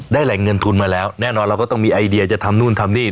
แหล่งเงินทุนมาแล้วแน่นอนเราก็ต้องมีไอเดียจะทำนู่นทำนี่